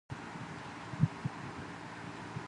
With Jenkins, she had a second son, Edward.